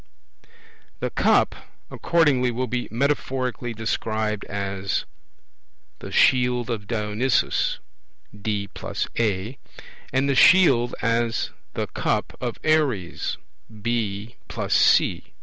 The cup accordingly will be metaphorically described as the 'shield of Dionysus' (D + A), and the shield as the 'cup of Ares' (B + C).